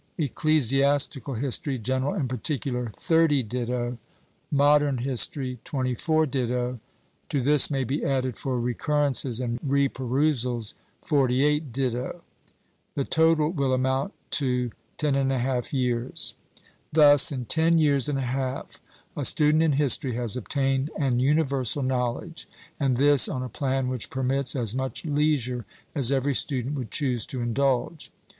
Ecclesiastical History, general and particular 30 do. Modern History 24 do. To this may be added for recurrences and re perusals 48 do. ____ The total will amount to 10ÂẄ years. Thus, in ten years and a half, a student in history has obtained an universal knowledge, and this on a plan which permits as much leisure as every student would choose to indulge.